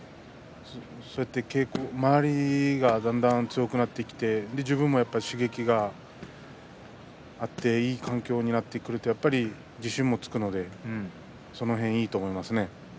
周りがだんだん強くなってきて自分も刺激を受けていい環境になってくると自信をつくのでその辺いいと思いますね。